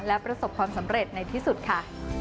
และประสบความสำเร็จในที่สุดค่ะ